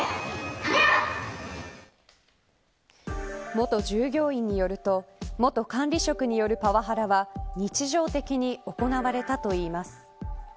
元従業員によると元管理職によるパワハラは日常的に行われたといいます。